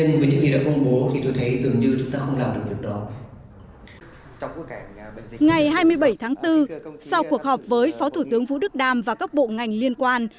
ngày hai mươi bảy tháng bốn sau cuộc họp với phó thủ tướng vũ đức đam và các bộ ngành liên quan